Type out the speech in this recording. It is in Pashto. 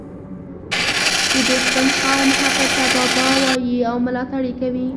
د دوستم قوم هغه ته بابا وايي او ملاتړ یې کوي